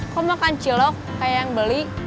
kok makan cilok kayak yang beli